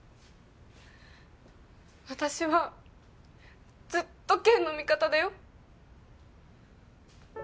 私はずっと健の味方だよ